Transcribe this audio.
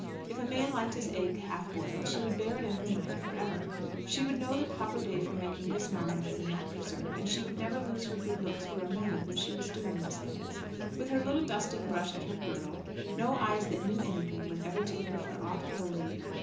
If a man liked his egg half boiled, she would bear it in her mind for ever. She would know the proper day for making this marmalade and that preserve; and she would never lose her good looks for a moment when she was doing these things. With her little dusting brush at her girdle, no eyes that knew anything would ever take her for aught but a lady.